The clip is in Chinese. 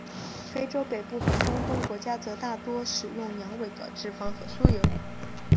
非洲北部和中东国家则大多使用羊尾的脂肪和酥油。